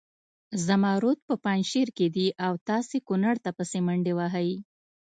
زمرود په پنجشیر کې دي او تاسې کنړ ته پسې منډې وهئ.